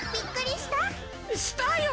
したよ。